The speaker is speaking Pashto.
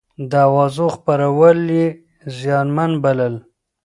د اوازو خپرول يې زيانمن بلل.